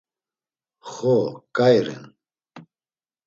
Xo, ǩai ren.